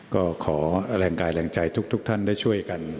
ก็ขอแรงกายแรงใจทุกท่านได้ช่วยกัน